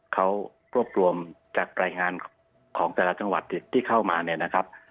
เขารวบรวมจากรายงานของแต่ละจังหวัดที่เข้ามาเนี่ยนะครับ